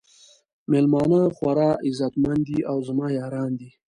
میلمانه خورا عزت مند دي او زما یاران دي.